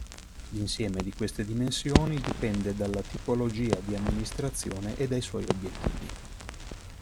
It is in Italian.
L'insieme di queste dimensioni dipende dalla tipologia di amministrazione e dai suoi obiettivi.